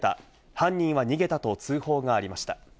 犯人は逃げたと通報がありました。